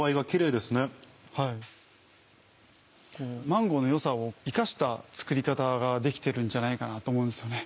マンゴーの良さを生かした作り方ができてるんじゃないかなと思うんですよね。